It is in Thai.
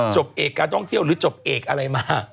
จบเอกการท่องเที่ยวหรือจบเอกอะไรมา